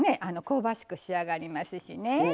香ばしく仕上がりますしね。